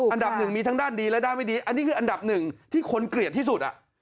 อันดับหนึ่งมีทั้งด้านดีและด้านไม่ดีอันนี้คืออันดับหนึ่งที่คนเกลียดที่สุด